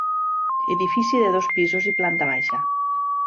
Edifici de dos pisos i planta baixa.